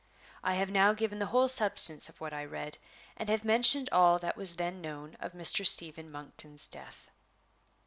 I have now given the whole substance of what I read, and have mentioned all that was then known of Mr. Stephen Monkton's death.